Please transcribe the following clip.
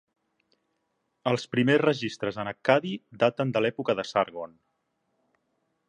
Els primers registres en accadi daten de l'època de Sargon.